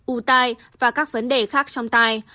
u tai và các vấn đề khác trong tai